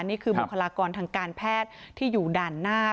นี่คือบุคลากรทางการแพทย์ที่อยู่ด่านหน้า